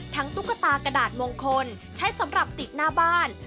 ตุ๊กตากระดาษมงคลใช้สำหรับติดหน้าบ้าน